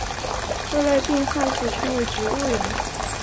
这类病患俗称为植物人。